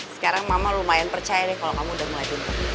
sekarang mama lumayan percaya deh kalau kamu udah mulai duduk